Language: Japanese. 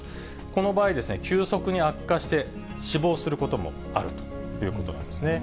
この場合、急速に悪化して、死亡することもあるということなんですね。